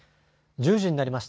１０時になりました。